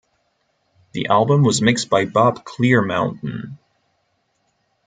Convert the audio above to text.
The album was mixed by Bob Clearmountain.